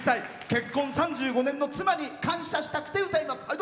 結婚３５年の妻に感謝したくて歌います。